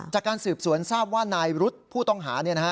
จากการสืบสวนทราบว่านายรุธผู้ต้องหา